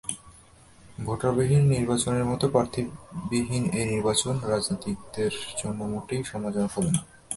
ভোটারবিহীন নির্বাচনের মতো প্রার্থীবিহীন এই নির্বাচন রাজনীতিকদের জন্য মোটেই সম্মানজনক হবে না।